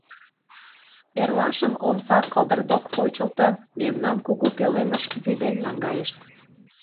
Эрлашым омса кылдырдок почылто, мемнам кугу пӧлемыш вӱден наҥгайышт.